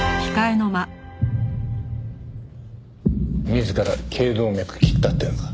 自ら頸動脈切ったってのか？